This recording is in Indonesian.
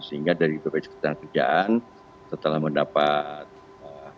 sehingga dari ppjs ketenagakerjaan setelah mendapatkan